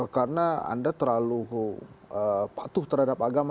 karena anda terlalu patuh terhadap agama